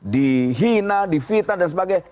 dihina divita dan sebagainya